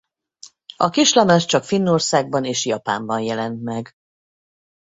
A kislemez csak Finnországban és Japánban jelent meg.